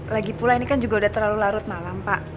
lagi pula ini kan juga udah terlalu larut malam pak